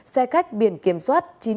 xe khách biển kiểm soát chín mươi bốn